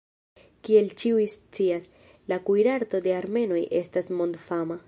Kiel ĉiuj scias, la kuirarto de armenoj estas mondfama.